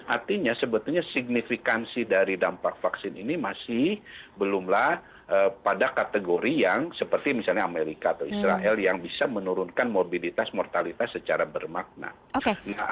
artinya sebetulnya signifikansi dari dampak vaksin ini masih belumlah pada kategori yang seperti misalnya amerika atau israel yang bisa menurunkan mobilitas mortalitas secara bermakna